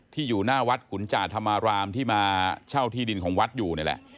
อยู่หน้าวัดขุนจาธรรมารามที่มาเช่าที่ดินของวัดอยู่นี่แหละ